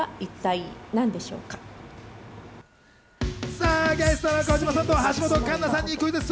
さぁ、ゲストの児嶋さんと橋本環奈さんにクイズッス。